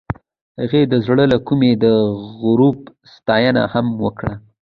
هغې د زړه له کومې د غروب ستاینه هم وکړه.